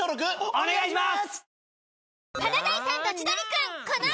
お願いします！